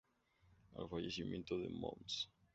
Al fallecimiento de mons.